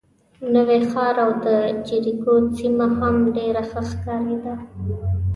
نوی ښار او د جریکو سیمه هم ډېره ښه ښکارېده.